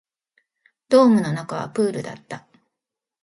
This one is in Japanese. ドームの中はプールだった